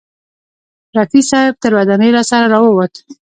رفیع صاحب تر ودانۍ راسره راوووت.